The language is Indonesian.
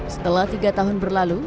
setelah tiga tahun berlalu